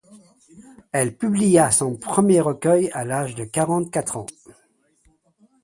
Elle publia son premier recueil à l'âge de quarante-quatre ans.